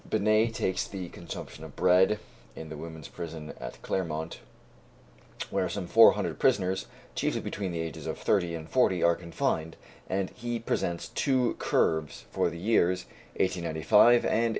Binet takes the consumption of bread in the women's prison at Clermont, where some four hundred prisoners, chiefly between the ages of thirty and forty, are confined, and he presents two curves for the years 1895 and 1896.